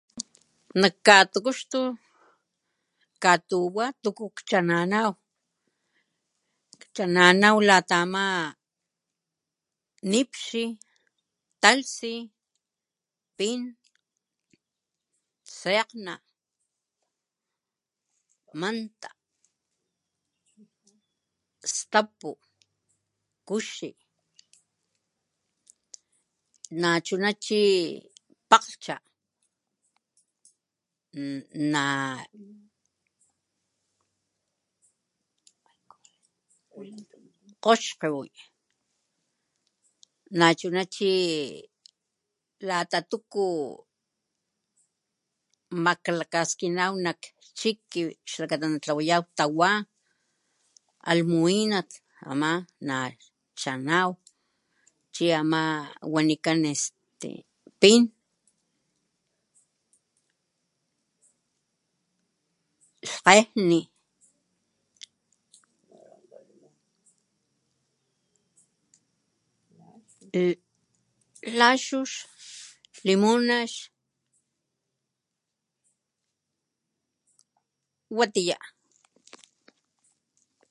Nak katukuxtu katuwa tuku kchananaw chananaw lata ama nipxi talhtsi pin sekgna manta stapu kuxi nachuna chi pakglhcha na kgoxkiwi nahuna chi lata tuku maklakaskinaw nak chiki xlakata natlawayaw tawa almuwina ama na hanaw chi ama wanikan este pin lhkgejni laxux watiya.